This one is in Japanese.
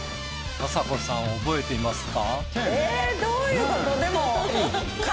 あさこさん覚えていますか？